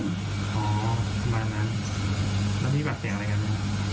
พี่กำลังมาเมืองคลาดค่ะ